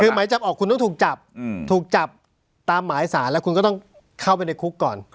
คือหมายจับออกคุณต้องถูกจับถูกจับตามหมายสารแล้วคุณก็ต้องเข้าไปในคุกก่อน